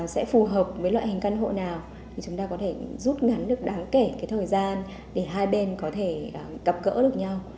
sẽ phù hợp với loại hình căn hộ nào thì chúng ta có thể rút ngắn được đáng kể thời gian để hai bên có thể gặp gỡ được nhau